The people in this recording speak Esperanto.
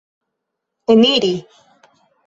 eniri